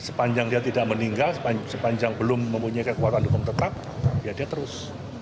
sepanjang dia tidak meninggal sepanjang belum mempunyai kekuatan hukum tetap ya dia terus